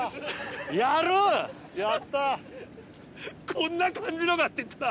「こんな感じのが」って言ったら。